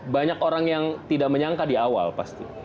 banyak orang yang tidak menyangka di awal pasti